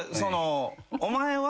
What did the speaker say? お前は。